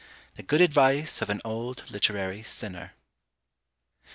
THE GOOD ADVICE OF AN OLD LITERARY SINNER.